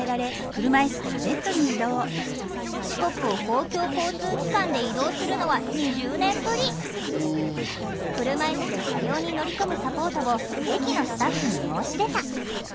四国を公共交通機関で移動するのは車いすで車両に乗り込むサポートを駅のスタッフに申し出た。